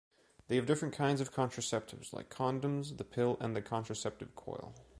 They have different kinds of contraceptives, like condoms, the pill and the contraceptive coil.